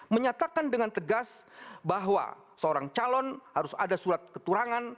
menyatakan dengan tegas bahwa seorang calon harus ada surat keturangan